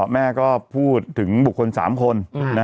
แม่ก็พูดถึงบุคคล๓คน